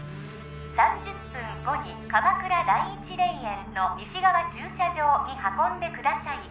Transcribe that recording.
３０分後に鎌倉第一霊園の西側駐車場に運んでください